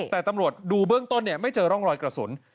แต่ตำรวจดูเบื้องต้นไม่เจอร่องรอยกระสุน